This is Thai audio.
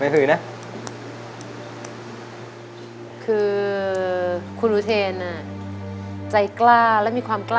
เป็นไงคะ